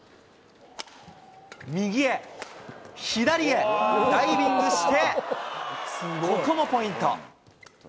右へ、左へ、ダイビングして、ここもポイント。